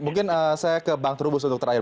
mungkin saya ke bang trubus untuk terakhir